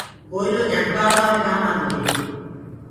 ڪوئيِلو جھڪ بآݪوآ مي ڪآن آندو هي۔